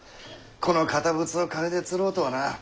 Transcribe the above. この堅物を金で釣ろうとはな。